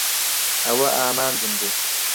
ئەوە ئامانجم بوو.